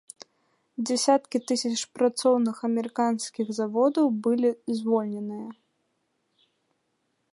Дзесяткі тысяч працоўных амерыканскіх заводаў былі звольненыя.